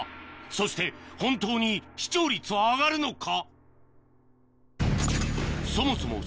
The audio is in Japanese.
そして本当に視聴率は上がるのか？